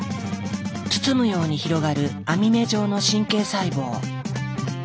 包むように広がる網目状の神経細胞。